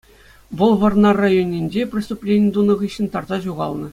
Вӑл Вӑрнар районӗнче преступлени тунӑ хыҫҫӑн тарса ҫухалнӑ.